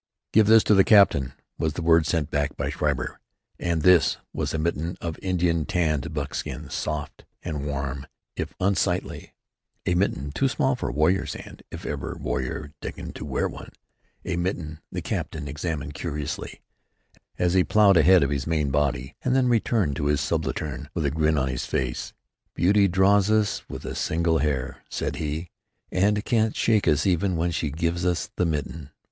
"Give this to the captain," was the word sent back by Schreiber, and "this" was a mitten of Indian tanned buckskin, soft and warm if unsightly, a mitten too small for a warrior's hand, if ever warrior deigned to wear one, a mitten the captain examined curiously, as he ploughed ahead of his main body, and then returned to his subaltern with a grin on his face: "Beauty draws us with a single hair," said he, "and can't shake us even when she gives us the mitten.